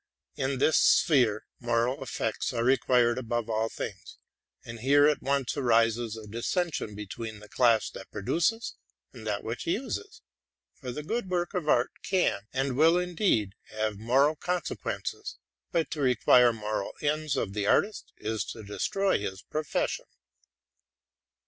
In this sphere moral effects are required above all things: and here at once wises a dissension between the class that produces and that which uses; for a good work of art can, and will indeed, have moral consequences, but to require moral ends of the artist is to destroy his profession.